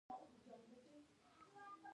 د موریا امپراتوري ډیره پراخه وه.